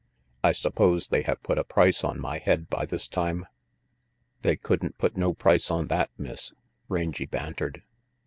"I suppose they have put a price on my head by this time?" "They couldn't put no price on that, Miss," Rangy bantered.